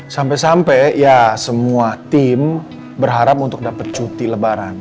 sampai sampai ya semua tim berharap untuk dapat cuti lebaran